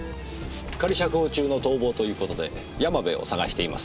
仮釈放中の逃亡ということで山部を捜しています。